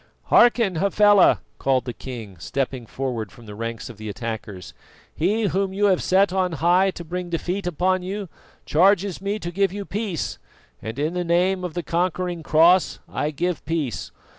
"Hearken, Hafela!" called the king, stepping forward from the ranks of the attackers. "He whom you have set on high to bring defeat upon you charges me to give you peace, and in the name of the conquering Cross I give peace.